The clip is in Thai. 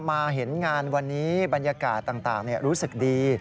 มาเห็นงานวันนี้บรรยากาศต่างรู้สึกดี